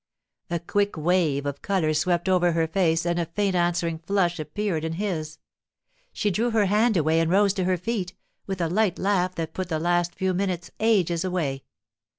A quick wave of colour swept over her face, and a faint answering flush appeared in his. She drew her hand away and rose to her feet, with a light laugh that put the last few minutes ages away.